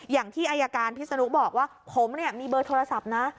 อย่างที่อายการพิศนุบอกว่าผมเนี่ยมีเบอร์โทรศัพท์นะ